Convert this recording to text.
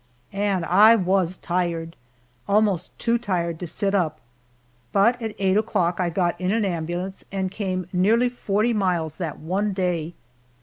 And I was tired almost too tired to sit up, but at eight o'clock I got in an ambulance and came nearly forty miles that one day!